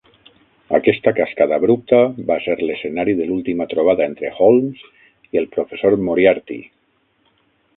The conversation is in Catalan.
Aquesta cascada abrupta va ser l'escenari de l'última trobada entre Holmes i el professor Moriarty.